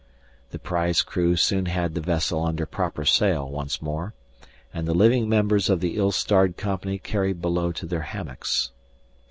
The prize crew soon had the vessel under proper sail once more and the living members of the ill starred company carried below to their hammocks.